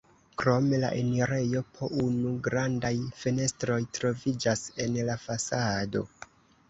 Krom la enirejo po unu grandaj fenestroj troviĝas en la fasado.